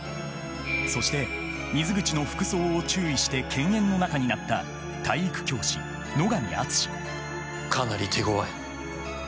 そして水口の服装を注意して犬猿の仲になった体育教師野上厚かなり手ごわい。